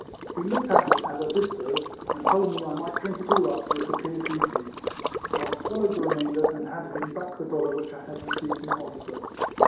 He looked at it as I did so, and told me I might drink it all up, for it appeared greasy; so I swallowed the remainder, and handed him back the dollar which I had received from the officer.